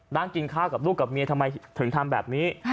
นั่งกินข้าวกับลูกกับเมียทำไมถึงทำแบบนี้